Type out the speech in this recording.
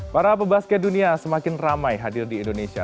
para pebasket dunia semakin ramai hadir di indonesia